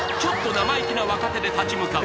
生意気な若手で立ち向かう